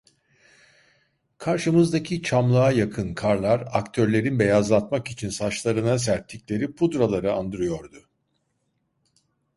Karşımızdaki çamlığa yakın karlar, aktörlerin beyazlatmak için saçlarına serptikleri pudraları andırıyordu.